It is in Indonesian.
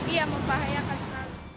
iya membahayakan sekali